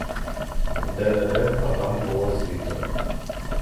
Де-не-де в хатах було світло.